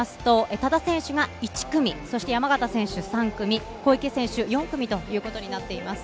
多田選手が１組、山縣選手３組、小池選手４組ということになっています。